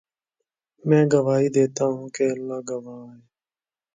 میں گواہی دیتا ہوں کہ اللہ گواہ ہے